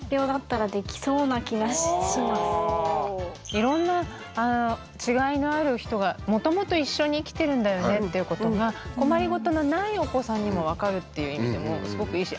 いろんな違いのある人がもともと一緒に生きてるんだよねっていうことが困りごとのないお子さんにも分かるっていう意味でもすごくいいし。